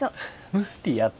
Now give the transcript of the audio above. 無理やて。